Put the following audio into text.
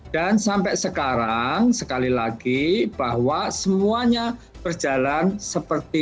dan sampai sekarang sekali lagi bahwa semuanya berjalan seperti